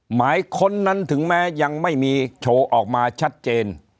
หมายค้นนั้นถึงแม้ยังไม่มีโชว์ออกมาชัดเจน